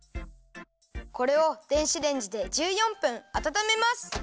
これを電子レンジで１４分あたためます。